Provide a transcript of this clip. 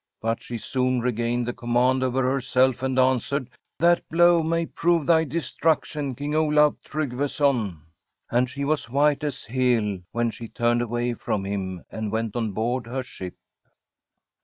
But she soon regained the command over herself^ and an swered :' That blow may prove thy destruction. King Olaf Trygveson.' And she was white as Hel when she turned away from him and went on board her ship.